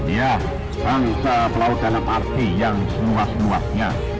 ya bangsa pelautan dan parti yang semua semuanya